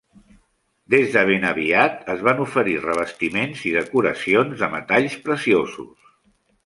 Des de ben aviat, es van oferir revestiments i decoracions de metalls preciosos.